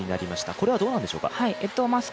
これはどうなんでしょうか？